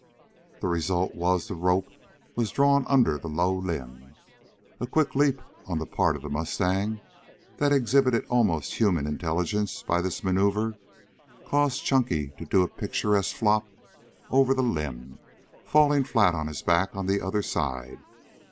The result was the rope was drawn under the low limb. A quick leap on the part of the mustang, that exhibited almost human intelligence by this manoeuvre, caused Chunky to do a picturesque flop over the limb, falling flat on his back on the other side.